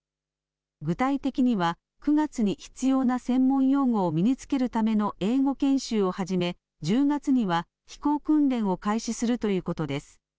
具体的には９月に必要な専門用語を身につけるための英語研修を始め、１０月には飛行訓練を開始するということです。